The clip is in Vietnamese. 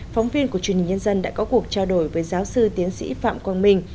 phóng viên của truyền hình nhân dân đã có cuộc trao đổi với giáo sư tiến sĩ phạm quang minh